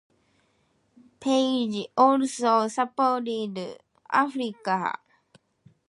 Page also supported evangelization of Africa.